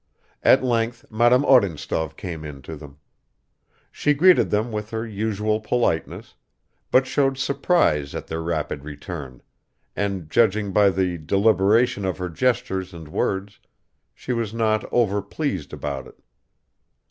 At length Madame Odintsov came in to them. She greeted them with her usual politeness, but showed surprise at their rapid return, and judging by the, deliberation of her gestures and words, she was not over pleased about it.